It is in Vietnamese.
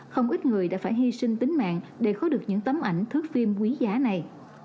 không ít người đã phải hy sinh tính mạng để có được những tấm ảnh thước phim quý giá này